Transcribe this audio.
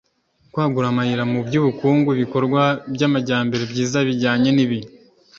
kwagura amayira mu by'ubukungu, ibikorwa by'amajyambere byiza bijyanye n'ibihe,